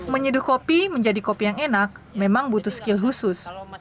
menyeduh kopi menjadi kopi yang enak memang butuh skill khusus